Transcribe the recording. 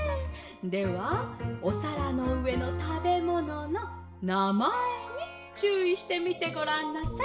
ではおさらのうえのたべもののなまえにちゅういしてみてごらんなさい」。